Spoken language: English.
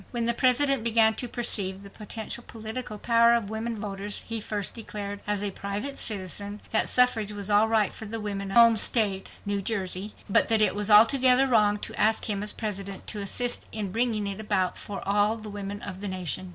When the President began to perceive the potential political power of women voters, he first declared, as a "private citizen," that suffrage was all right for the women of his home state, New Jersey, but that it was altogether wrong to ask him as President to assist in bringing it about for all the women of the nation.